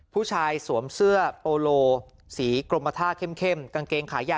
ผู้ชายสวมเสื้อโปโลสีกรมท่าเข้มเข้มกางเกงขายา